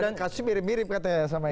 dan kasusnya mirip mirip katanya sama ini